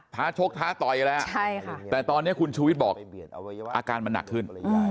ชกท้าต่อยกันแล้วแต่ตอนนี้คุณชูวิทย์บอกอาการมันหนักขึ้น